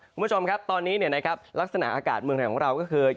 คุณผู้ชมครับตอนนี้ลักษณะอากาศเมืองไทยของเราก็คือ